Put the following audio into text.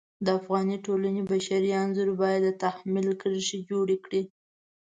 د افغاني ټولنې بشري انځور باید د تحمل کرښې جوړې کړي.